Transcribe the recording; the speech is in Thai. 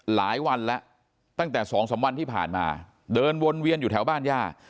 หลายวันแล้วตั้งแต่สองสามวันที่ผ่านมาเดินวนเวียนอยู่แถวบ้านย่า